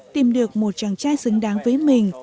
tìm được một chàng trai xứng đáng với mình